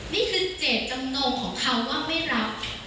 นี่คือเจตจำนงของคำว่าไม่รับ